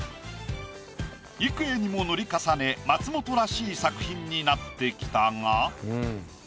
幾重にも塗り重ね松本らしい作品になってきたが。